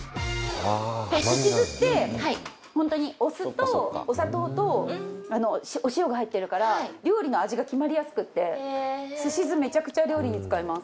すし酢って本当にお酢とお砂糖とお塩が入ってるから料理の味が決まりやすくてすし酢めちゃくちゃ料理に使います。